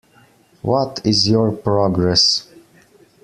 What is your progress?